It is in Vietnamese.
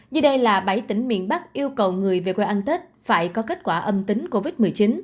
vì đây là bảy tỉnh miền bắc yêu cầu người về quê ăn tết phải có kết quả âm tính covid một mươi chín